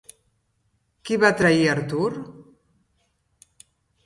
Qui va trair Artur?